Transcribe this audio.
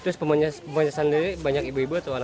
terus pemanasan lelih banyak ibu ibu atau anak muda